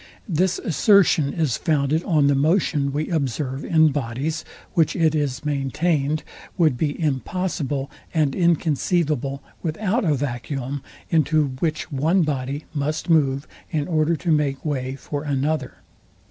This assertion is founded on the motion we observe in bodies, which, it is maintained, would be impossible and inconceivable without a vacuum, into which one body must move in order to make way for another..